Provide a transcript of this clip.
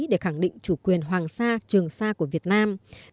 để khẳng định chủ quyền hoàng sa trường sa của việt nam